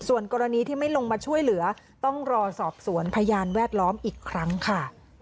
ส่วนกรณีที่ไม่ลงมาช่วยเหลือต้องรอสอบสวนพยานแวดล้อมอีกครั้งค่ะ